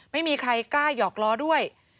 ไม่มีใครกล้าหยอกล้อด้วย